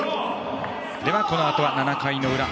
では、このあとは７回の裏。